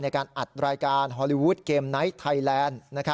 ในการอัดรายการฮอลลีวูดเกมไนท์ไทยแลนด์